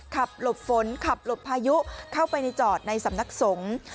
หลบฝนขับหลบพายุเข้าไปในจอดในสำนักสงฆ์